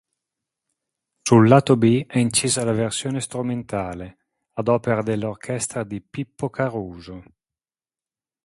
Sul lato b è incisa la versione strumentale, ad opera dell'orchestra di Pippo Caruso.